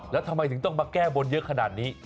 แล้วทำไมถึงต้องมาแก้บนเยอะขนาดนี้